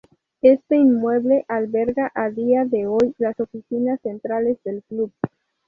Este inmueble alberga a día de hoy las oficinas centrales del Club.